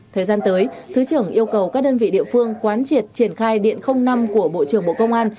thời gian tới thứ trưởng yêu cầu các đơn vị địa phương quán triệt triển khai điện năm của bộ trưởng bộ công an